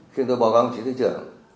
khi tôi báo cáo đồng chí thủ trưởng